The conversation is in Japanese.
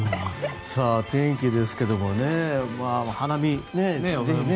天気ですが花見、ぜひね。